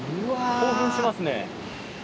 興奮しますね。